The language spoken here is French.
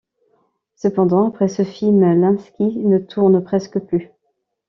Cependant, après ce film, Ilinski ne tourne presque plus.